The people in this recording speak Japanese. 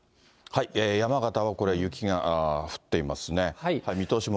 山形はこれ、雪が降っていますね。